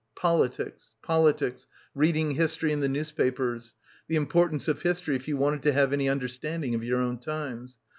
Politics, politics, reading his tory and the newspapers, the importance of his tory if you wanted to have any understanding of your own times.